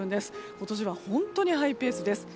今年は本当にハイペースです。